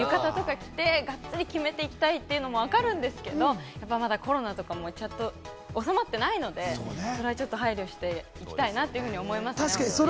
浴衣とか着て、がっつり決めていきたいというのも分かるんですけど、コロナもまだちゃんと収まってないので、その辺は配慮していきたいなと思います。